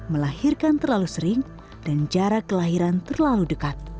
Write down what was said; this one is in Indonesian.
melahirkan terlalu sering dan jarak kelahiran terlalu dekat